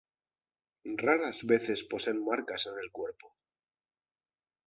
Raras veces poseen marcas en el cuerpo.